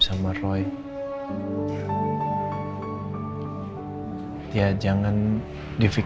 ya kenapa enggak